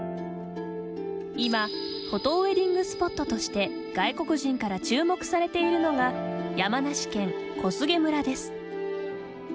今フォトウエディングスポットとして外国人から注目されているのが山梨県小菅村です。